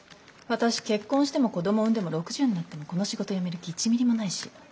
私結婚しても子どもを産んでも６０になってもこの仕事やめる気１ミリもないし。